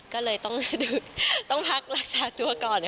ก็เลยต้องพักรักษาตัวก่อน